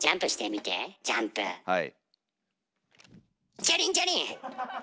チャリンチャリン。